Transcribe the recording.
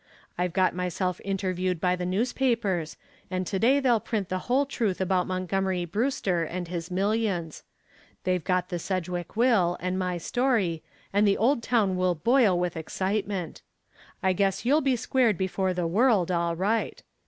I've got myself interviewed by the newspapers and to day they'll print the whole truth about Montgomery Brewster and his millions. They've got the Sedgwick will and my story and the old town will boil with excitement. I guess you'll be squared before the world, all right.